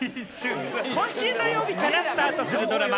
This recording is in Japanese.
今週土曜日からスタートするドラマ